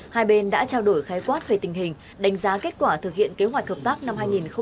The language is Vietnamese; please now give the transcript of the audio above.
hai bên đã trao đổi khái quát về tình hình đánh giá kết quả thực hiện kế hoạch hợp tác năm hai nghìn hai mươi